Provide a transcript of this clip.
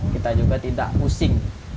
kita juga tidak pusing